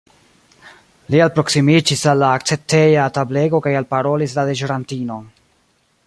Li alproksimiĝis al la akcepteja tablego kaj alparolis la deĵorantinon.